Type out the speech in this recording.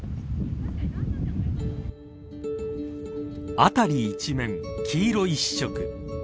辺り一面、黄色一色。